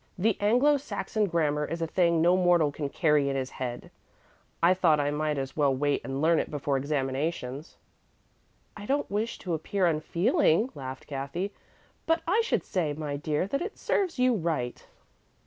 The Anglo Saxon grammar is a thing no mortal can carry in his head, and I thought I might as well wait and learn it before examinations." "I don't wish to appear unfeeling," laughed Cathy, "but I should say, my dear, that it serves you right."